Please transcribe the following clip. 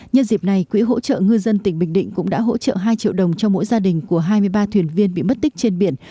nhân dịp này quỹ hỗ trợ ngư dân tỉnh bình định cũng đã hỗ trợ hai triệu đồng cho mỗi gia đình của hai mươi ba thuyền viên bị mất tích trên biển